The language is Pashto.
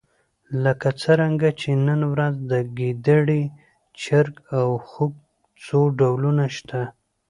لکه څرنګه چې نن ورځ د ګېدړې، چرګ او خوګ څو ډولونه شته.